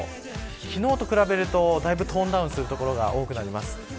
昨日と比べるとだいぶトーンダウンする所が多くなります。